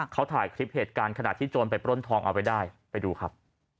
เขาถ่ายคลิปเหตุการณ์ขณะที่โจรไปปล้นทองเอาไว้ได้ไปดูครับ